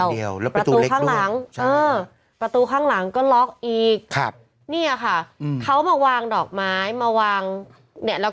แล้วประตูเล็กด้วยประตูข้างหลังก็ล็อกอีกเนี่ยค่ะเขามาวางดอกไม้มาวางเนี่ย